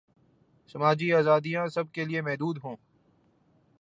سماجی آزادیاں سب کیلئے محدود ہوں۔